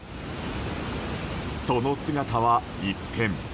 その姿は一変。